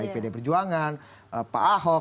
pdi perjuangan pak ahok